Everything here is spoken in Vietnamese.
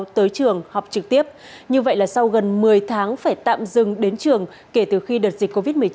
tới trường học trực tiếp như vậy là sau gần một mươi tháng phải tạm dừng đến trường kể từ khi đợt dịch covid một mươi chín